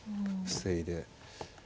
防いで。